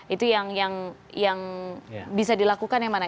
itu yang bisa dilakukan yang mana